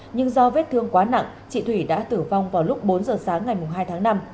nhưng do vết thương quá nặng chị thủy đã tử vong vào lúc bốn giờ sáng ngày hai tháng năm